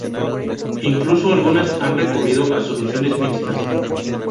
Incluso algunas han recurrido a soluciones mixtas.